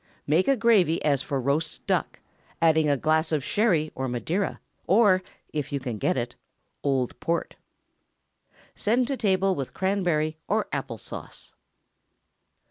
Make a gravy as for roast duck, adding a glass of Sherry or Madeira, or (if you can get it) old Port. Send to table with cranberry or apple sauce.